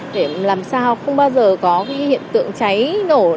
để làm sao không bao giờ có cái hiện tượng cháy nổ nữa